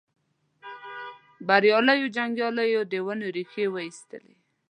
بریالیو جنګیالیو د ونو ریښې وایستلې.